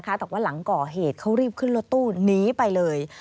แต่ว่าหลังก่อเหตุเขารีบขึ้นรถตู้หนีไปเลย